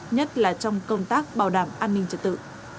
nhất là trong công tác bảo đảm an ninh trật tự